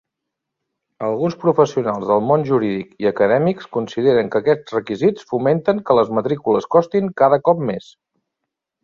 Alguns professionals del món jurídic i acadèmics consideren que aquests requisits fomenten que les matrícules costin cada cop més.